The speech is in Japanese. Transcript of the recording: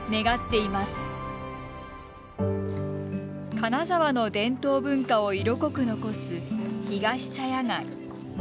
金沢の伝統文化を色濃く残すひがし茶屋街。